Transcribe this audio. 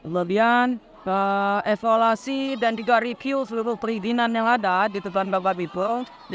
kemudian evaluasi dan juga review seluruh perizinan yang ada di depan bapak bipo